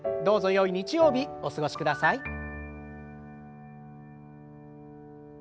どうぞよい日曜日お過ごしください。